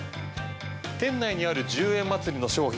店内にある１０円まつりの商品。